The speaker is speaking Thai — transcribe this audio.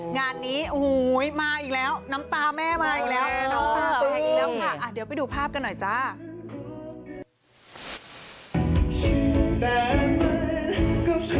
งานนี้มาอีกแล้วน้ำตาแม่แทนอีกแล้ว